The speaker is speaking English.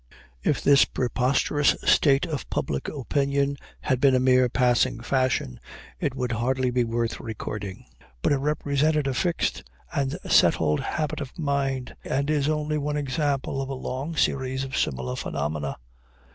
If this preposterous state of public opinion had been a mere passing fashion it would hardly be worth recording. But it represented a fixed and settled habit of mind, and is only one example of a long series of similar phenomena.